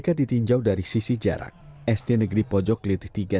kalau belum tahu dari sisi jarak sd negeri pojok liti tiga